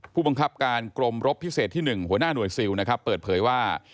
ผู้บังคับการกรมรบพิเศษที่๑หัวหน้าหน่วยซิลนะครับเปิดเผยว่า